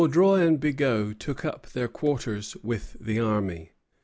Vaudreuil and Bigot took up their quarters with the army.